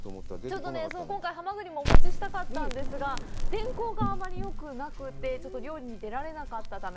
ちょっとね、今回、ハマグリもお持ちしたかったんですが、天候があまりよくなくて、ちょっと漁に出られなかったため。